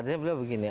artinya beliau begini